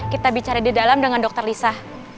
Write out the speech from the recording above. kita bicara di dalam dengan dokter lisa